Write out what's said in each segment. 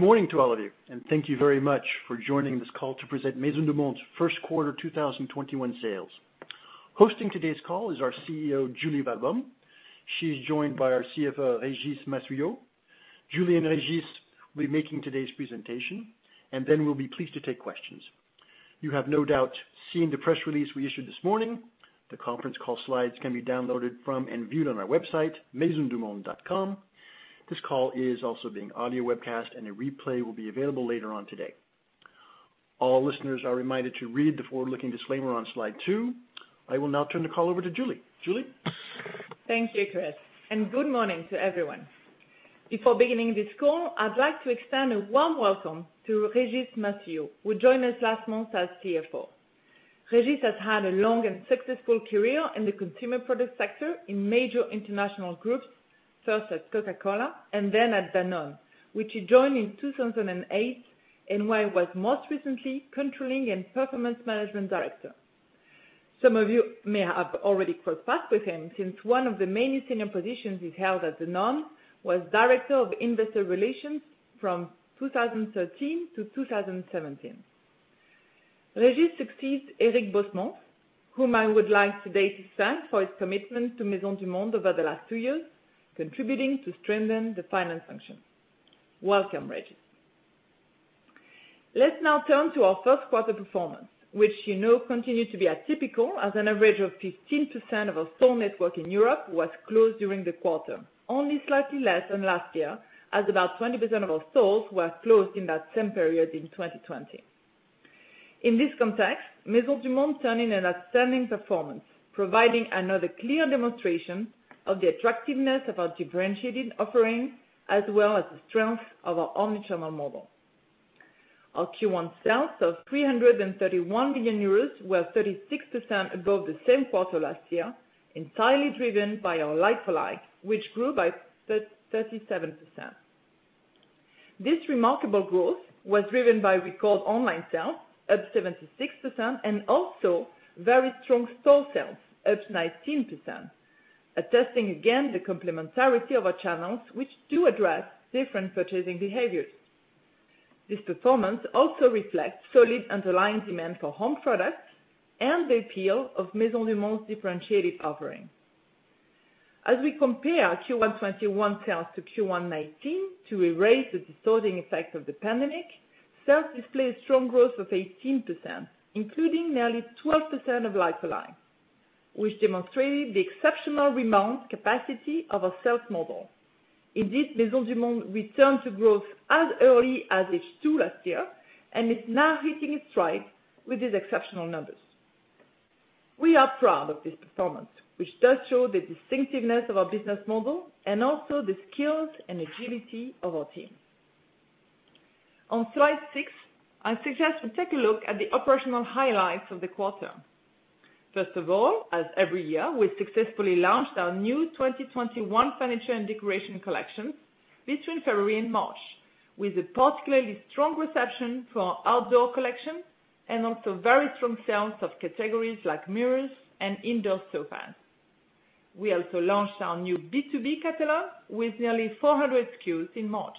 Good morning to all of you, and thank you very much for joining this call to present Maisons du Monde's First Quarter 2021 Sales. Hosting today's call is our CEO, Julie Walbaum. She's joined by our CFO, Régis Massuyeau. Julie and Régis will be making today's presentation, and then we'll be pleased to take questions. You have no doubt seen the press release we issued this morning. The conference call slides can be downloaded from and viewed on our website, maisonsdumonde.com. This call is also being audio webcast, and a replay will be available later on today. All listeners are reminded to read the forward-looking disclaimer on slide two. I will now turn the call over to Julie. Julie? Thank you, Chris, and good morning to everyone. Before beginning this call, I'd like to extend a warm welcome to Régis Massuyeau, who joined us last month as CFO. Régis has had a long and successful career in the consumer products sector in major international groups, first at Coca-Cola and then at Danone, which he joined in 2008 and where he was most recently controlling and performance management director. Some of you may have already crossed paths with him, since one of the many senior positions he's held at Danone was Director of Investor Relations from 2013 to 2017. Régis succeeds Eric Bosmans, whom I would like today to thank for his commitment to Maisons du Monde over the last two years, contributing to strengthen the finance function. Welcome, Régis. Let's now turn to our first quarter performance, which you know continued to be atypical as an average of 15% of our store network in Europe was closed during the quarter, only slightly less than last year, as about 20% of our stores were closed in that same period in 2020. In this context, Maisons du Monde turned in an outstanding performance, providing another clear demonstration of the attractiveness of our differentiated offering as well as the strength of our omnichannel model. Our Q1 sales of 331 million euros were 36% above the same quarter last year, entirely driven by our like-for-like, which grew by 37%. This remarkable growth was driven by, recall, online sales up 76% and also very strong store sales up 19%, attesting again the complementarity of our channels, which do address different purchasing behaviors. This performance also reflects solid underlying demand for home products and the appeal of Maisons du Monde's differentiated offering. As we compare Q1 2021 sales to Q1 2019 to erase the distorting effects of the pandemic, sales displayed strong growth of 18%, including nearly 12% of like-for-like, which demonstrated the exceptional rebound capacity of our sales model. Indeed, Maisons du Monde returned to growth as early as H2 last year and is now hitting its stride with these exceptional numbers. We are proud of this performance, which does show the distinctiveness of our business model and also the skills and agility of our team. On slide six, I suggest we take a look at the operational highlights of the quarter. First of all, as every year, we successfully launched our new 2021 furniture and decoration collection between February and March, with a particularly strong reception for our outdoor collection and also very strong sales of categories like mirrors and indoor sofa. We also launched our new B2B catalog with nearly 400 SKUs in March.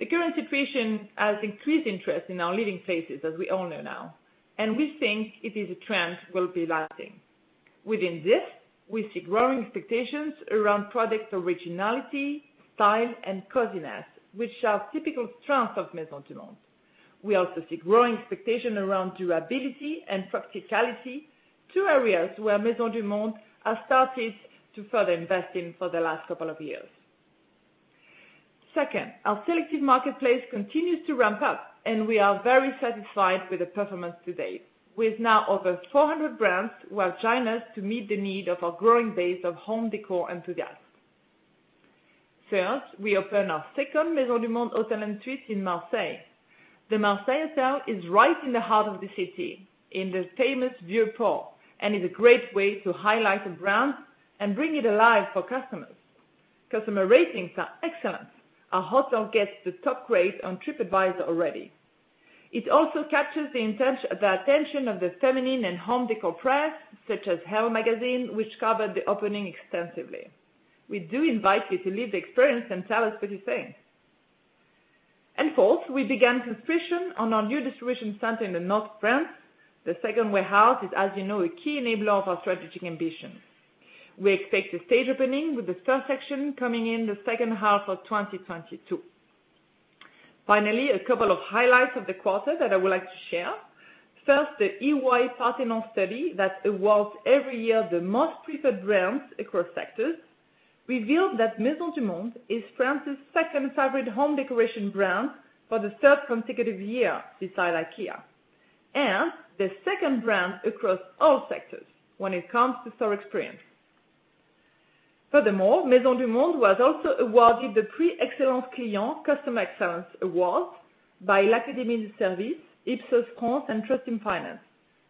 The current situation has increased interest in our living spaces, as we all know now, and we think it is a trend will be lasting. Within this, we see growing expectations around product originality, style, and coziness, which are typical strengths of Maisons du Monde. We also see growing expectation around durability and practicality, two areas where Maisons du Monde has started to further invest in for the last couple of years. Our selective marketplace continues to ramp up, and we are very satisfied with the performance to date, with now over 400 brands who have joined us to meet the need of our growing base of home decor enthusiasts. We opened our second Maisons du Monde hotel and suite in Marseille. The Marseille hotel is right in the heart of the city, in the famous Vieux Port, and is a great way to highlight the brand and bring it alive for customers. Customer ratings are excellent. Our hotel gets the top grade on TripAdvisor already. It also captures the attention of the feminine and home decor press, such as Elle Magazine, which covered the opening extensively. We do invite you to live the experience and tell us what you think. We began construction on our new distribution center in the north of France. The second warehouse is, as you know, a key enabler of our strategic ambition. We expect a staged opening with the first section coming in the second half of 2022. Finally, a couple of highlights of the quarter that I would like to share. First, the EY-Parthenon study that awards every year the most preferred brands across sectors, revealed that Maisons du Monde is France's second favorite home decoration brand for the third consecutive year beside IKEA, and the second brand across all sectors when it comes to store experience. Furthermore, Maisons du Monde was also awarded the Prix Excellence Client customer excellence award by L'Académie du Service, Ipsos France, and Trusteam Finance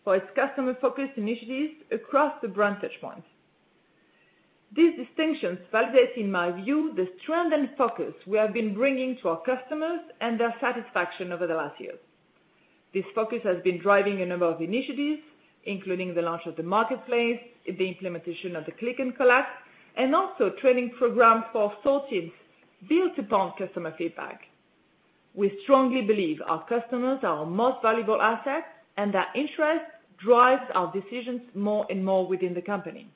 for its customer-focused initiatives across the brand touch points. These distinctions validate, in my view, the strength and focus we have been bringing to our customers and their satisfaction over the last years. This focus has been driving a number of initiatives, including the launch of the marketplace, the implementation of the click and collect, and also training programs for store teams built upon customer feedback. We strongly believe our customers are our most valuable asset, and their interest drives our decisions more and more within the company.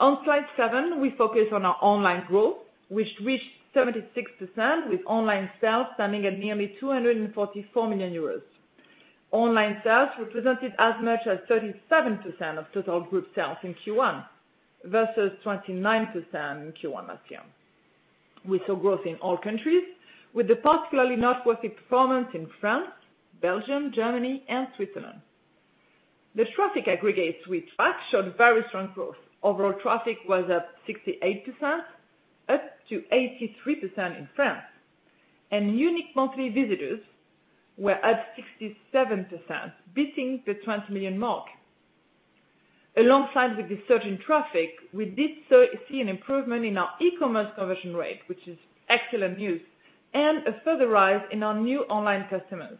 On slide seven, we focus on our online growth, which reached 76%, with online sales standing at nearly 244 million euros. Online sales represented as much as 37% of total group sales in Q1 versus 29% in Q1 last year. We saw growth in all countries, with particularly noteworthy performance in France, Belgium, Germany, and Switzerland. The traffic aggregates we track showed very strong growth. Overall traffic was up 68%, up to 83% in France, and unique monthly visitors were at 67%, beating the 20 million mark. Alongside with the surge in traffic, we did see an improvement in our e-commerce conversion rate, which is excellent news, and a further rise in our new online customers.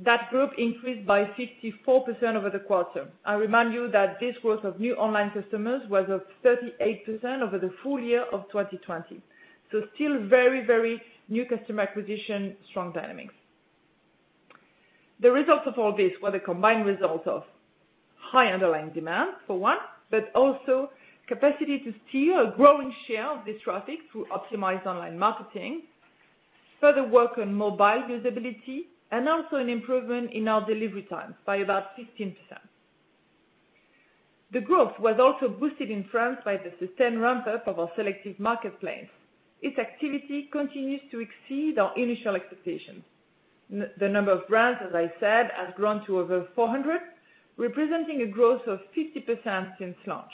That group increased by 64% over the quarter. I remind you that this growth of new online customers was of 38% over the full-year of 2020, so still very new customer acquisition, strong dynamics. The results of all this were the combined results of high underlying demand for one, but also capacity to steer a growing share of this traffic through optimized online marketing, further work on mobile usability, and also an improvement in our delivery times by about 15%. The growth was also boosted in France by the sustained ramp-up of our selective marketplace. Its activity continues to exceed our initial expectations. The number of brands, as I said, has grown to over 400, representing a growth of 50% since launch.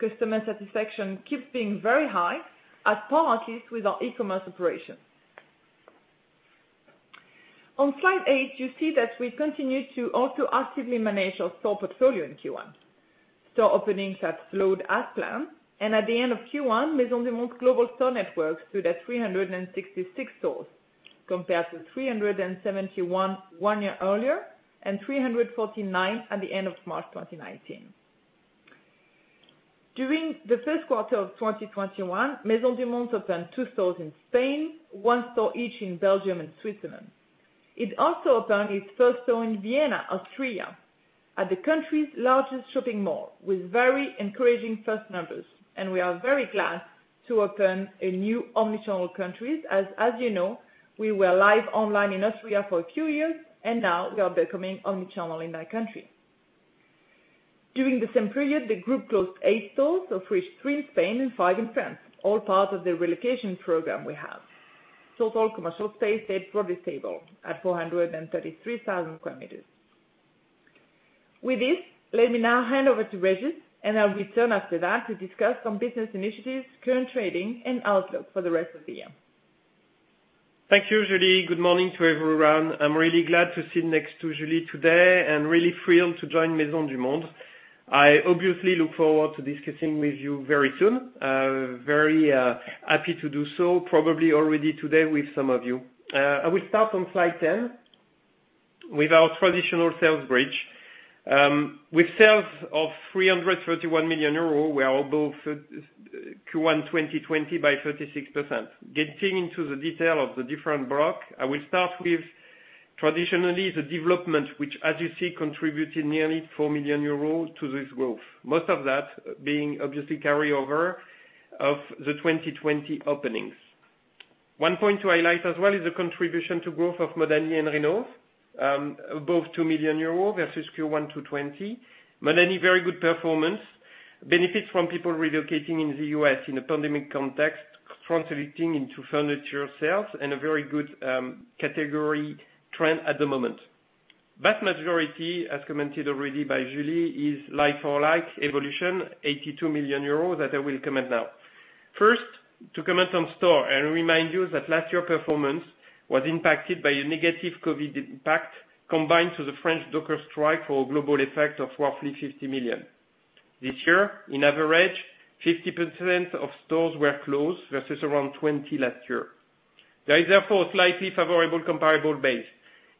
Customer satisfaction keeps being very high, at par at least with our e-commerce operations. On slide eight, you see that we've continued to also actively manage our store portfolio in Q1. Store openings have slowed as planned. At the end of Q1, Maisons du Monde global store networks stood at 366 stores, compared to 371 one year earlier and 349 at the end of March 2019. During the first quarter of 2021, Maisons du Monde opened two stores in Spain, one store each in Belgium and Switzerland. It also opened its first store in Vienna, Austria, at the country's largest shopping mall with very encouraging first numbers. We are very glad to open in new omnichannel countries. As you know, we were live online in Austria for a few years, and now we are becoming omnichannel in that country. During the same period, the group closed eight stores, of which three in Spain and five in France, all part of the relocation program we have. Total commercial space stayed broadly stable at 433,000 square meters. With this, let me now hand over to Régis, and I'll return after that to discuss some business initiatives, current trading, and outlook for the rest of the year. Thank you, Julie. Good morning to everyone. I'm really glad to sit next to Julie today and really thrilled to join Maisons du Monde. I obviously look forward to discussing with you very soon. Very happy to do so, probably already today with some of you. I will start on slide 10 with our traditional sales bridge. With sales of 331 million euros, we are above Q1 2020 by 36%. Getting into the detail of the different block, I will start with traditionally the development, which as you see contributed nearly 4 million euros to this growth, most of that being obviously carryover of the 2020 openings. One point to highlight as well is the contribution to growth of Modani and Rhinov, above 2 million euro versus Q1 2020. Modani very good performance benefits from people relocating in the U.S. in a pandemic context, translating into furniture sales and a very good category trend at the moment. Vast majority, as commented already by Julie, is like-for-like evolution, 82 million euros that I will comment now. First, to comment on store, remind you that last year performance was impacted by a negative COVID impact combined to the French docker strike for a global effect of roughly 50 million. This year, on average, 50% of stores were closed versus around 20 last year. There is therefore a slightly favorable comparable base.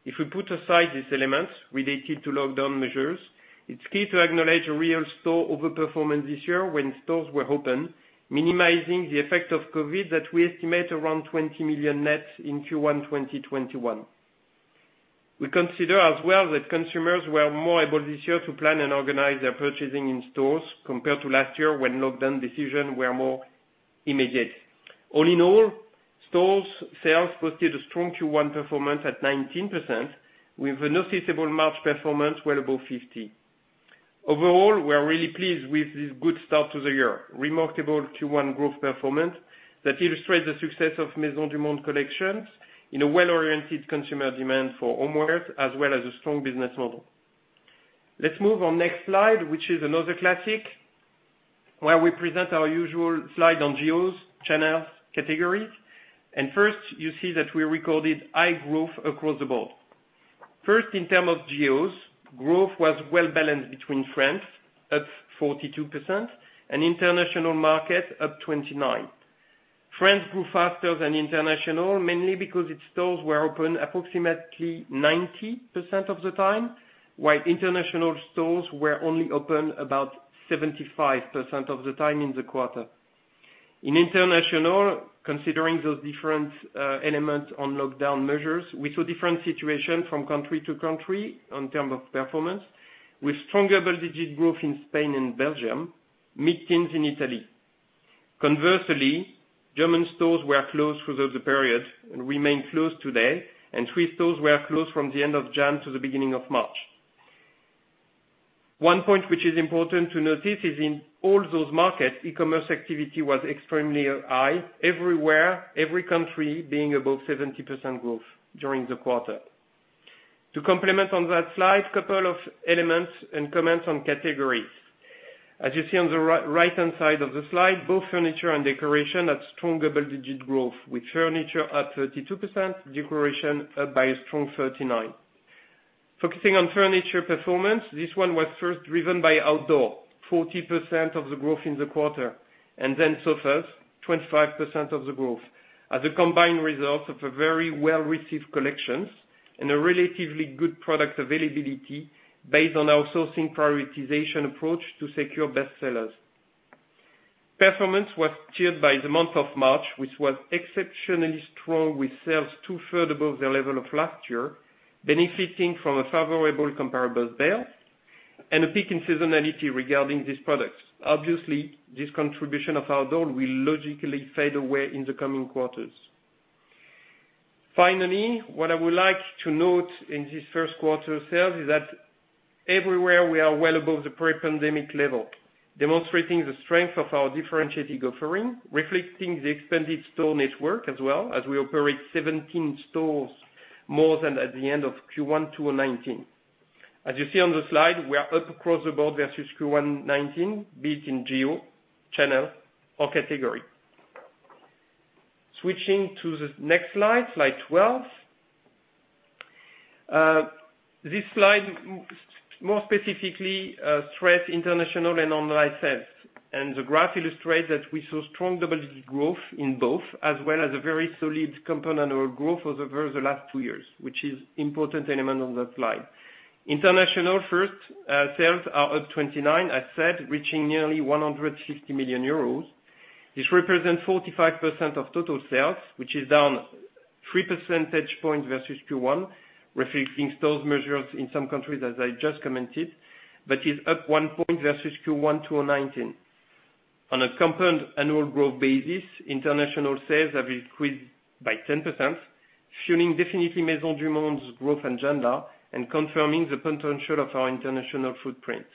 If we put aside these elements related to lockdown measures, it's key to acknowledge a real store over performance this year when stores were open, minimizing the effect of COVID that we estimate around 20 million net in Q1 2021. We consider as well that consumers were more able this year to plan and organize their purchasing in stores compared to last year, when lockdown decisions were more immediate. All in all, stores sales posted a strong Q1 performance at 19% with a noticeable March performance well above 50%. Overall, we are really pleased with this good start to the year. Remarkable Q1 growth performance that illustrates the success of Maisons du Monde collections in a well-oriented consumer demand for homewares as well as a strong business model. Let's move on next slide, which is another classic, where we present our usual slide on geos, channels, categories. First, you see that we recorded high growth across the board. First, in term of geos, growth was well-balanced between France, up 42%, and international market, up 29%. France grew faster than international, mainly because its stores were open approximately 90% of the time, while international stores were only open about 75% of the time in the quarter. In international, considering those different elements on lockdown measures, we saw different situation from country to country in term of performance, with stronger double-digit growth in Spain and Belgium, mid-teens in Italy. Conversely, German stores were closed throughout the period and remain closed today, and Swiss stores were closed from the end of January to the beginning of March. One point which is important to notice is in all those markets, e-commerce activity was extremely high everywhere, every country being above 70% growth during the quarter. To complement on that slide, couple of elements and comments on categories. As you see on the right-hand side of the slide, both furniture and decoration had strong double-digit growth, with furniture up 32%, decoration up by a strong 39%. Focusing on furniture performance, this one was first driven by outdoor, 40% of the growth in the quarter, and then sofas, 25% of the growth, as a combined result of a very well-received collections and a relatively good product availability based on our sourcing prioritization approach to secure bestsellers. Performance was characterized by the month of March, which was exceptionally strong with sales two-thirds above the level of last year, benefiting from a favorable comparable base and a peak in seasonality regarding these products. Obviously, this contribution of outdoor will logically fade away in the coming quarters. Finally, what I would like to note in this first quarter sales is that everywhere we are well above the pre-pandemic level, demonstrating the strength of our differentiated offering, reflecting the expanded store network as well as we operate 17 stores more than at the end of Q1 2019. As you see on the slide, we are up across the board versus Q1 2019, be it in geo, channel, or category. Switching to the next slide 12. This slide more specifically stress international and online sales. The graph illustrates that we saw strong double-digit growth in both, as well as a very solid component or growth over the last two years, which is important element on the slide. International first, sales are up 29, as said, reaching nearly 150 million euros. This represents 45% of total sales, which is down three percentage points versus Q1, reflecting stores measures in some countries as I just commented, but is up one point versus Q1 2019. On a compound annual growth basis, international sales have increased by 10%, fueling definitely Maisons du Monde's growth agenda and confirming the potential of our international footprint.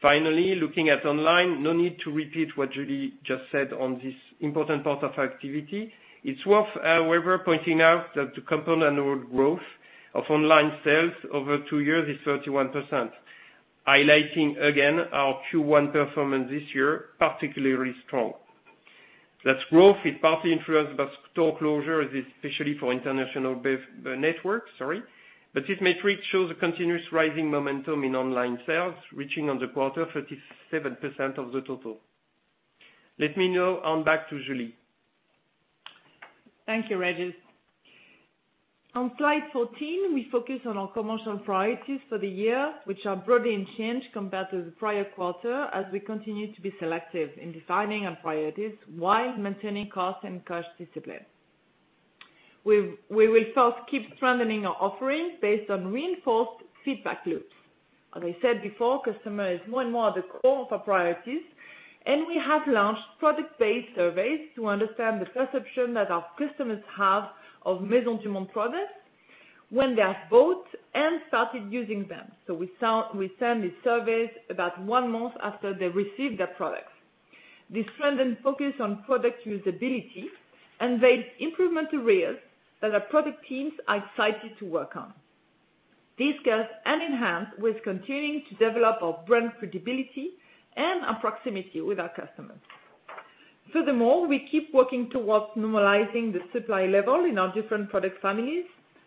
Finally, looking at online, no need to repeat what Julie just said on this important part of activity. It's worth, however, pointing out that the compound annual growth of online sales over two years is 31%, highlighting again our Q1 performance this year, particularly strong. That growth is partly influenced by store closure, especially for international networks, sorry. This metric shows a continuous rising momentum in online sales, reaching on the quarter 37% of the total. Let me now hand back to Julie. Thank you, Régis. On slide 14, we focus on our commercial priorities for the year, which are broadly unchanged compared to the prior quarter as we continue to be selective in defining our priorities while maintaining cost and cash discipline. We will first keep strengthening our offering based on reinforced feedback loops. As I said before, customer is more and more at the core of our priorities. We have launched product-based surveys to understand the perception that our customers have of Maisons du Monde products when they have bought and started using them. We send these surveys about one month after they receive their products. This strengthened focus on product usability unveiled improvement areas that our product teams are excited to work on. These go hand in hand with continuing to develop our brand credibility and our proximity with our customers. Furthermore, we keep working towards normalizing the supply level in our different product families,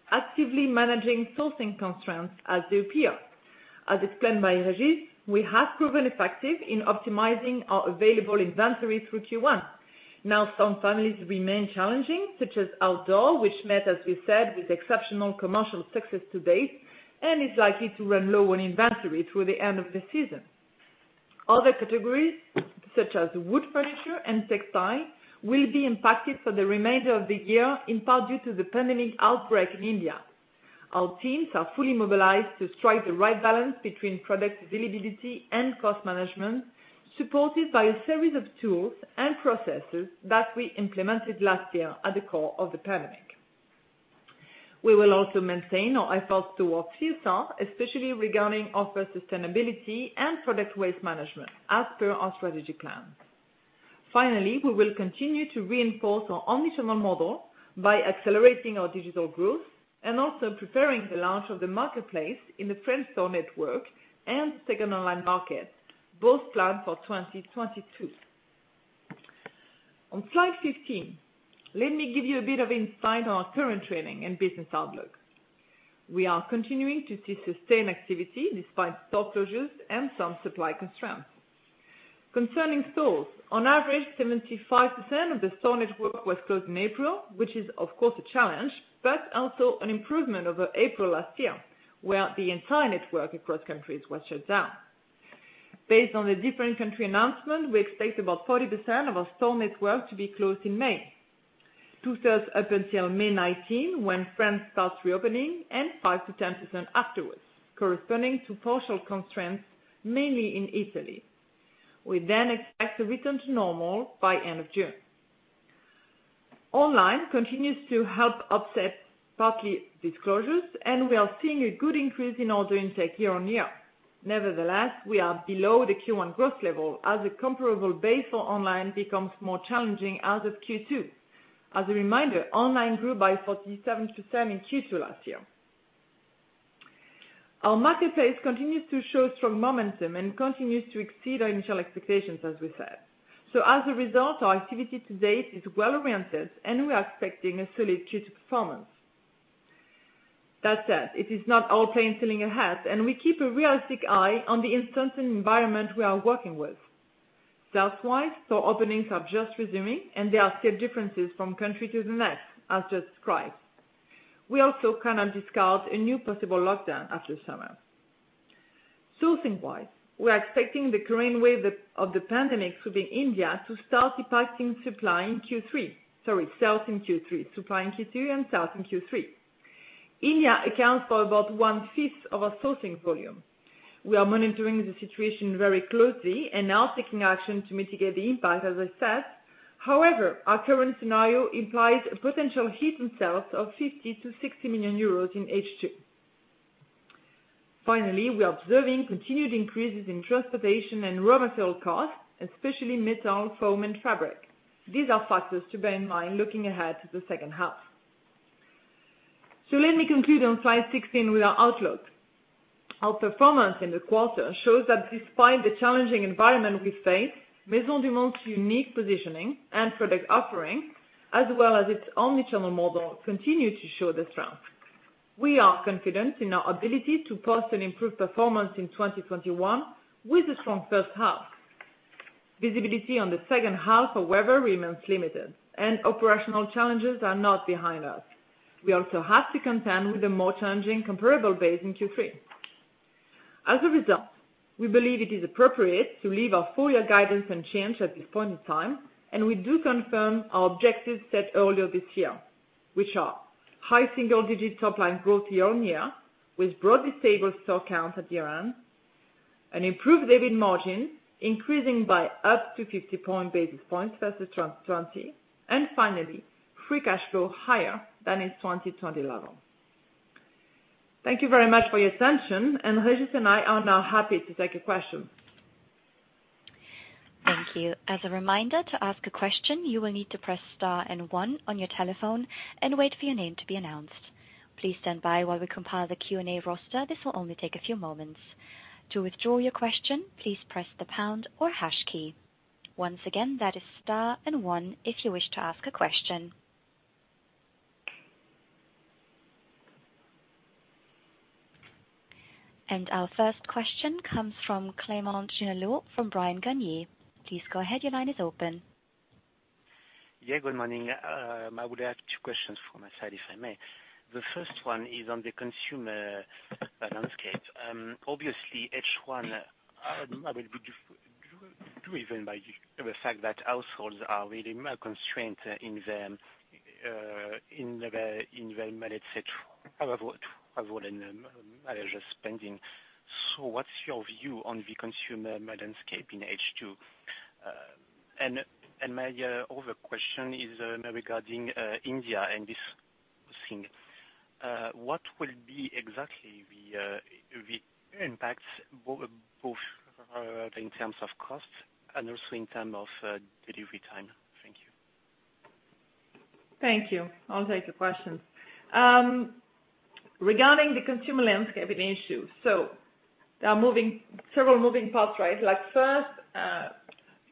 actively managing sourcing constraints as they appear. As explained by Régis, we have proven effective in optimizing our available inventory through Q1. Now some families remain challenging, such as outdoor, which met, as we said, with exceptional commercial success to date and is likely to run low on inventory through the end of the season. Other categories, such as wood furniture and textile, will be impacted for the remainder of the year, in part due to the pandemic outbreak in India. Our teams are fully mobilized to strike the right balance between product availability and cost management, supported by a series of tools and processes that we implemented last year at the core of the pandemic. We will also maintain our efforts towards CSR, especially regarding offer sustainability and product waste management as per our strategy plans. Finally, we will continue to reinforce our omnichannel model by accelerating our digital growth and also preparing the launch of the marketplace in the French store network and second online market, both planned for 2022. On slide 15, let me give you a bit of insight on our current trading and business outlook. We are continuing to see sustained activity despite store closures and some supply constraints. Concerning stores, on average, 75% of the store network was closed in April, which is of course a challenge, but also an improvement over April last year, where the entire network across countries was shut down. Based on the different country announcement, we expect about 40% of our store network to be closed in May. Two-thirds up until May 19, when France starts reopening, and 5%-10% afterwards, corresponding to partial constraints mainly in Italy. We expect a return to normal by end of June. Online continues to help offset partly these closures, and we are seeing a good increase in order intake year-over-year. Nevertheless, we are below the Q1 growth level as the comparable base for online becomes more challenging as of Q2. As a reminder, online grew by 47% in Q2 last year. Our marketplace continues to show strong momentum and continues to exceed our initial expectations, as we said. As a result, our activity to date is well oriented, and we are expecting a solid Q2 performance. That said, it is not all plain sailing ahead, and we keep a realistic eye on the uncertain environment we are working with. Store wise, store openings are just resuming. There are still differences from country to the next, as just described. We also cannot discard a new possible lockdown after summer. Sourcing wise, we are expecting the current wave of the pandemic within India to start impacting supply in Q3. Sorry, sales in Q3. Supply in Q2 and sales in Q3. India accounts for about one fifth of our sourcing volume. We are monitoring the situation very closely and are taking action to mitigate the impact, as I said. However, our current scenario implies a potential hit in sales of 50 million-60 million euros in H2. Finally, we are observing continued increases in transportation and raw material costs, especially metal, foam, and fabric. These are factors to bear in mind looking ahead to the second half. Let me conclude on slide 16 with our outlook. Our performance in the quarter shows that despite the challenging environment we face, Maisons du Monde's unique positioning and product offering, as well as its omnichannel model, continue to show the strength. We are confident in our ability to post an improved performance in 2021 with a strong first half. Visibility on the second half, however, remains limited, and operational challenges are not behind us. We also have to contend with a more challenging comparable base in Q3. As a result, we believe it is appropriate to leave our full-year guidance unchanged at this point in time, and we do confirm our objectives set earlier this year, which are high single-digit top-line growth year-on-year with broadly stable store count at year-end, an improved EBITDA margin increasing by up to 50 basis points versus 2020, and finally, free cash flow higher than in 2020 level. Thank you very much for your attention. Régis and I are now happy to take a question. Thank you. As a reminder, to ask a question, you will need to press star and one on your telephone and wait for your name to be announced. Please stand by while we compile the Q&A roster. This will only take a few moments. To withdraw your question, please press the star or hash key. Once again, that is star and one if you wish to ask a question. Our first question comes from Clément Genelot from Bryan, Garnier & Co. Please go ahead. Your line is open. Yeah, good morning. I would have two questions from my side, if I may. The first one is on the consumer landscape. Obviously, H1, driven by the fact that households are really more constrained in the leisure spending. What's your view on the consumer landscape in H2? My other question is regarding India and this sourcing. What will be exactly the impacts, both in terms of cost and also in terms of delivery time? Thank you. Thank you. I'll take your questions. Regarding the consumer landscape in H2. There are several moving parts, right? First,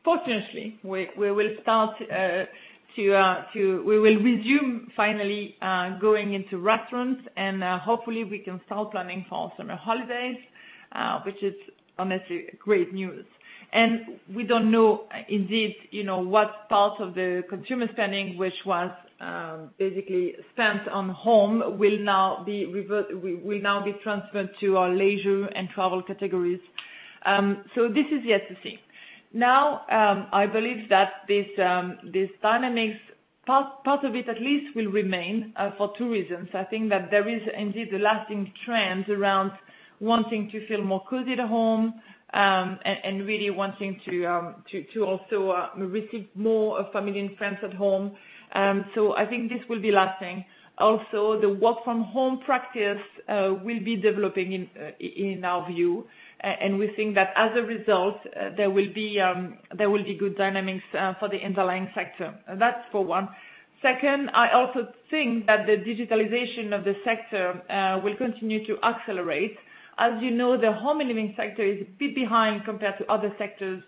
fortunately, we will resume finally going into restaurants, and hopefully we can start planning for our summer holidays, which is honestly great news. We don't know indeed what part of the consumer spending, which was basically spent on home, will now be transferred to our leisure and travel categories. This is yet to see. I believe that this dynamics, part of it at least, will remain for two reasons. I think that there is indeed a lasting trend around wanting to feel more cozy at home, and really wanting to also receive more of family and friends at home. I think this will be lasting. Also, the work from home practice will be developing in our view. We think that as a result, there will be good dynamics for the underlying sector. That's for one. Second, I also think that the digitalization of the sector will continue to accelerate. As you know, the home and living sector is a bit behind compared to other sectors,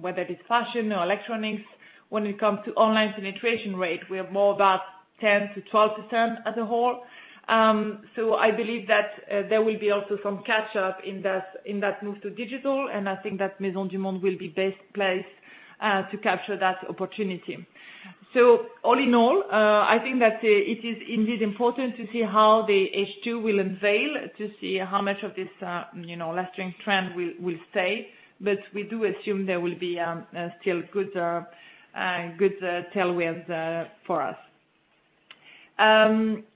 whether it is fashion or electronics. When it comes to online penetration rate, we have more about 10% to 12% as a whole. I believe that there will be also some catch-up in that move to digital, and I think that Maisons du Monde will be best placed to capture that opportunity. All in all, I think that it is indeed important to see how the H2 will unveil to see how much of this lasting trend will stay. We do assume there will be still good tailwinds for us.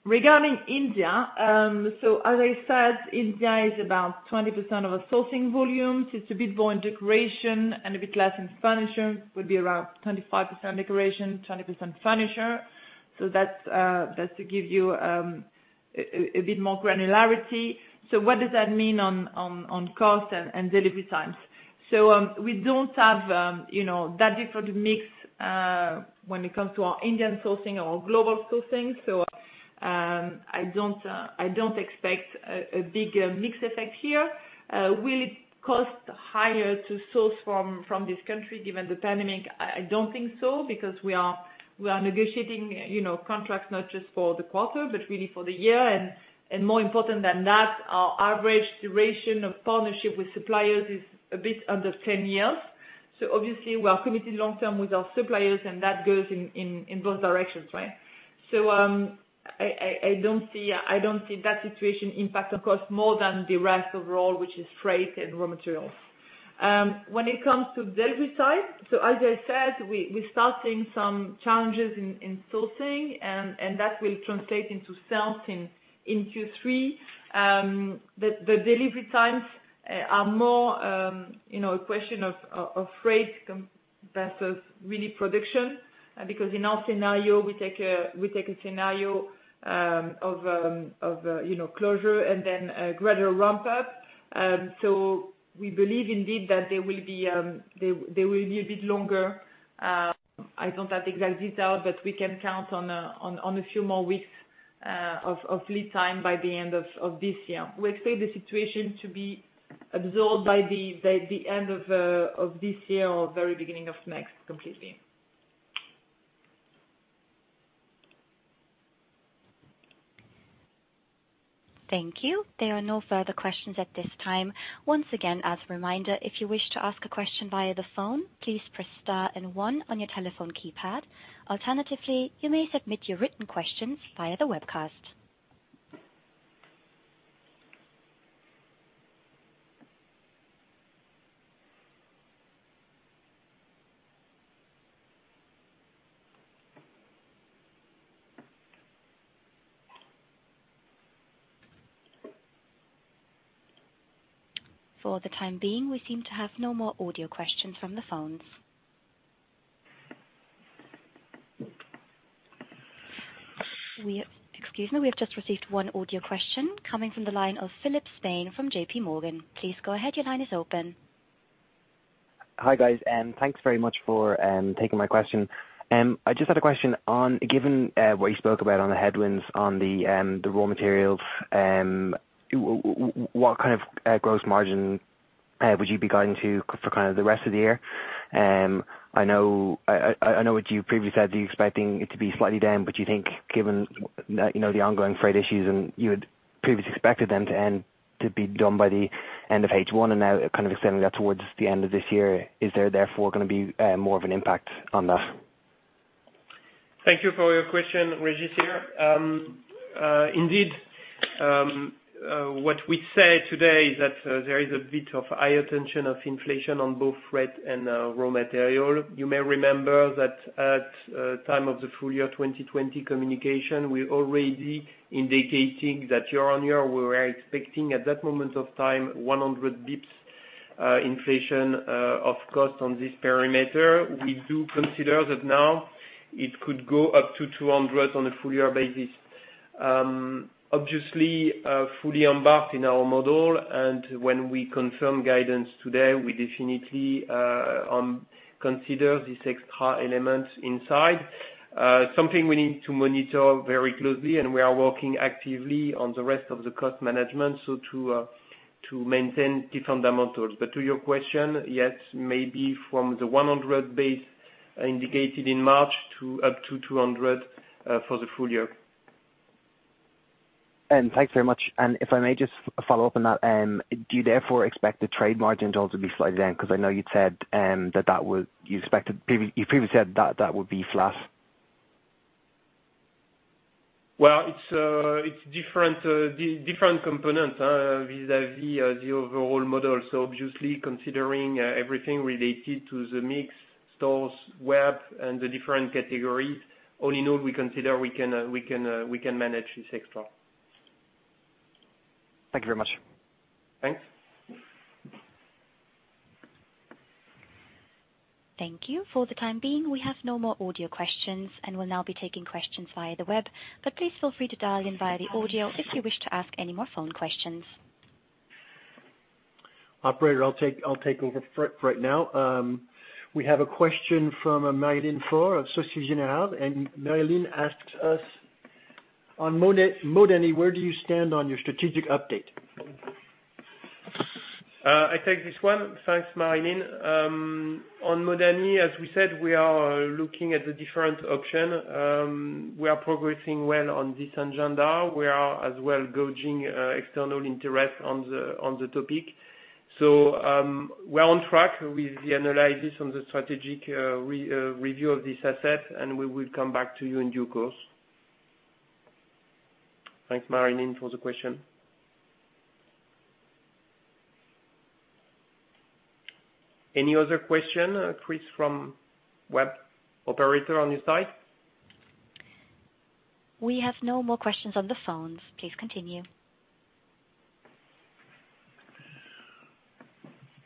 Regarding India, as I said, India is about 20% of our sourcing volumes. It's a bit more in decoration and a bit less in furniture, would be around 25% decoration, 20% furniture. That's to give you a bit more granularity. What does that mean on cost and delivery times? We don't have that different mix when it comes to our Indian sourcing, our global sourcing. I don't expect a big mix effect here. Will it cost higher to source from this country given the pandemic? I don't think so, because we are negotiating contracts not just for the quarter, but really for the year, and more important than that, our average duration of partnership with suppliers is a bit under 10 years. Obviously we are committed long term with our suppliers, and that goes in both directions. Right? I don't see that situation impact of course, more than the rest overall, which is freight and raw materials. When it comes to delivery time, as I said, we're starting some challenges in sourcing, and that will translate into sales in Q3. The delivery times are more a question of freight versus really production. In our scenario, we take a scenario of closure and then a gradual ramp up. We believe indeed that they will be a bit longer. I don't have exact detail, but we can count on a few more weeks of lead time by the end of this year. We expect the situation to be absorbed by the end of this year or very beginning of next completely. Thank you. There are no further questions at this time. Once again, as a reminder, if you wish to ask a question via the phone, please press star and one on your telephone keypad. Alternatively, you may submit your written questions via the webcast. For the time being, we seem to have no more audio questions from the phones. Excuse me. We have just received one audio question coming from the line of Philip Spain from JPMorgan. Please go ahead. Your line is open. Hi, guys. Thanks very much for taking my question. I just had a question on, given what you spoke about on the headwinds on the raw materials, what kind of gross margin would you be guiding to for kind of the rest of the year? I know what you previously said, you're expecting it to be slightly down, but you think given the ongoing freight issues and you had previously expected them to end, to be done by the end of H1 and now kind of extending that towards the end of this year, is there therefore going to be more of an impact on that? Thank you for your question, Régis. Indeed, what we say today is that there is a bit of higher tension of inflation on both freight and raw material. You may remember that at time of the full-year 2020 communication, we already indicating that year-over-year we were expecting at that moment of time, 100 basis points inflation of cost on this parameter. We do consider that now it could go up to 200 basis points on a full-year basis. Obviously, fully embarked in our model, and when we confirm guidance today, we definitely consider this extra element inside. Something we need to monitor very closely, and we are working actively on the rest of the cost management, so to maintain the fundamentals. To your question, yes, maybe from the 100 basis points indicated in March to up to 200 basis points for the full-year. Thanks very much. If I may just follow up on that, do you therefore expect the trade margin to also be slightly down? I know you previously said that would be flat. Well, it's different components vis-a-vis the overall model. Obviously considering everything related to the mix, stores, web, and the different categories. All in all, we consider we can manage this extra. Thank you very much. Thanks. Thank you. For the time being, we have no more audio questions, and we'll now be taking questions via the web. Please feel free to dial in via the audio if you wish to ask any more phone questions. Operator, I'll take over for right now. We have a question from Marilyn Flo of Société Générale, and Marilyn asks us, on Modani, where do you stand on your strategic update? I take this one. Thanks, Marilyn. On Modani, as we said, we are looking at the different option. We are progressing well on this agenda. We are as well gauging external interest on the topic. We're on track with the analysis on the strategic review of this asset, and we will come back to you in due course. Thanks, Marilyn, for the question. Any other question, Chris, from web operator on this side? We have no more questions on the phones. Please continue.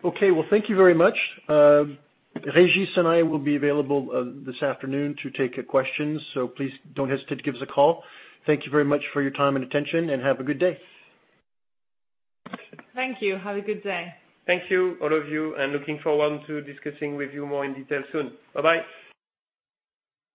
Okay. Well, thank you very much. Régis and I will be available this afternoon to take questions, so please don't hesitate to give us a call. Thank you very much for your time and attention, and have a good day. Thank you. Have a good day. Thank you, all of you, and looking forward to discussing with you more in detail soon. Bye-bye.